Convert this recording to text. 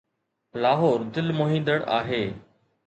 لاهور دل موهيندڙ آهي.